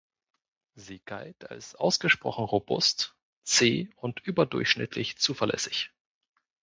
Sie galt als ausgesprochen robust, zäh und überdurchschnittlich zuverlässig.